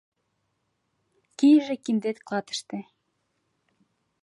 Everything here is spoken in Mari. Кийыже киндет клатыште.